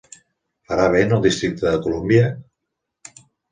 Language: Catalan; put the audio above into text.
Farà vent al Districte de Colúmbia?